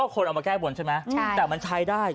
คนเอามาแก้บนใช่ไหมแต่ชายได้